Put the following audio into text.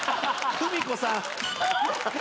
久美子さん